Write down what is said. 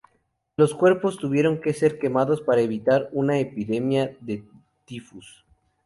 Los cuerpos tuvieron que ser quemados para evitar una epidemia de tifus.